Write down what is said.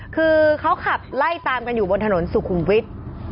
คือเขาขับไล่ตามกันอยู่บนถนนสุขุมวิทย์